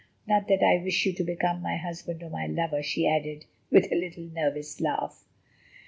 Not that I wish you to become my husband or my lover," she added, with a little nervous laugh.